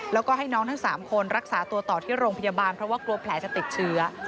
แล้วก็ให้น้องทั้ง๓คนรักษาตัวต่อที่โรงพยาบาลเพราะว่ากลัวแผลจะติดเชื้อ